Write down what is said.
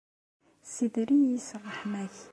Ssider-iyi s ṛṛeḥma-k.